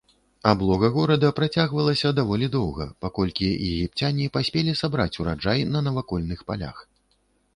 Аблога горада працягвалася даволі доўга, паколькі егіпцяне паспелі сабраць ураджай на навакольных палях.